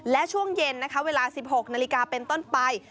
และช่วงเย็นนะคะเวลา๑๖นาฬิกาเป็นต้นไป